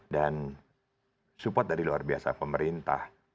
dan support dari luar biasa pemerintah